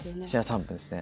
３分ですね